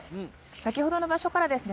先ほどの場所からですね